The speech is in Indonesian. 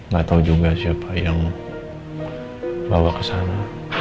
gak tau juga siapa yang bawa kesana